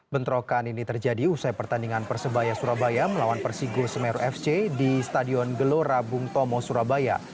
bentrokan ini terjadi usai pertandingan persebaya surabaya melawan persigo semeru fc di stadion gelora bung tomo surabaya